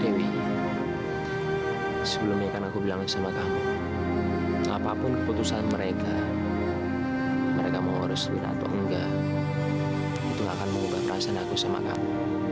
dewi sebelumnya kan aku bilang sama kamu apapun keputusan mereka mereka mau urus wina atau enggak itu akan mengubah perasaan aku sama kamu